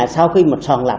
sau khi mà soàn lạp